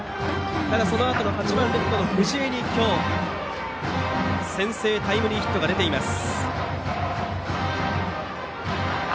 ただ、８番レフトの藤江に今日、先制タイムリーヒットが出ています。